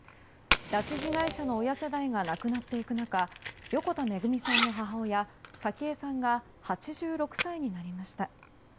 拉致被害者の親世代が亡くなっていく中横田めぐみさんの母親早紀江さんが８６歳になりました。